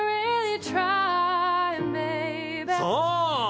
そう。